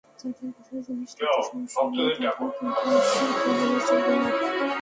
যাঁদের কাছের জিনিস দেখতে সমস্যা নেই, তাঁদের কিন্তু নিশ্চিন্ত হলে চলবে না।